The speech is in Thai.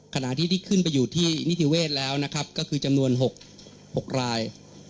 ขณะที่ที่ขึ้นไปอยู่ที่นิติเวศแล้วนะครับก็คือจำนวน๖ราย